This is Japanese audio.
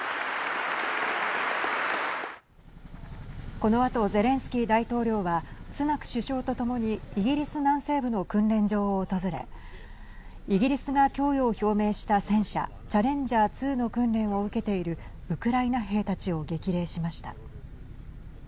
このあとゼレンスキー大統領はスナク首相と共にイギリス南西部の訓練場を訪れイギリスが供与を表明した戦車チャレンジャー２の訓練を受けているウクライナ兵たちを激励しました。